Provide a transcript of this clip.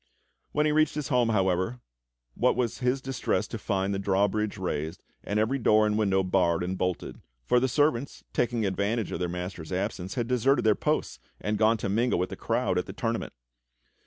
When he reached his home, however, what was his distress to find the drawbridge raised, and every door and window barred and bolted; for the servants, taking advantage of their master's absence, had deserted their posts and gone to mingle with the crowd at the tournament.